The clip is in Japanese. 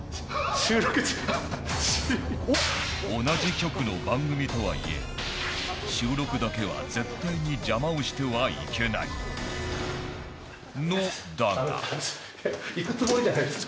同じ局の番組とはいえ収録だけは絶対に邪魔をしてはいけない。